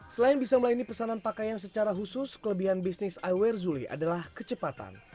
selain bisa melayani pesanan pakaian secara khusus kelebihan bisnis i aware zuli adalah kecepatan